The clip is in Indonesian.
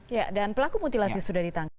ya dan pelaku mutilasi sudah ditangkap